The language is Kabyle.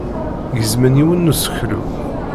Gezmen yiwen n useklu.